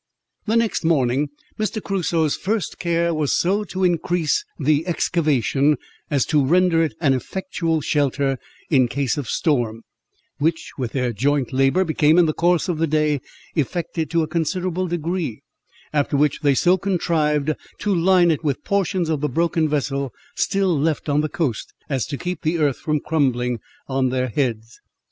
The next morning, Mr. Crusoe's first care was so to increase the excavation, as to render it an effectual shelter in case of storm, which, with their joint labour, became, in the course of the day, effected to a considerable degree; after which they so contrived to line it with portions of the broken vessel still left on the coast, as to keep the earth from crumbling on their heads.